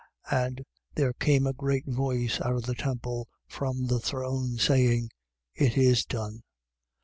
And there came a great voice out of the temple from the throne, saying: It is done.